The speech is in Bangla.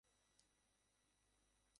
আমি ওকে ফিরিয়ে আনবো।